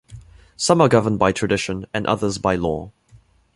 Some are governed by tradition, and others by law.